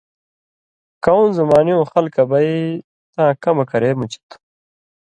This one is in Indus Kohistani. کؤں زُمانِیُوں خلکہ بئ تاں کمہۡ کرے مُچی تھو۔